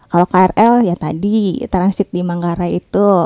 kalo krl ya tadi transit di manggara itu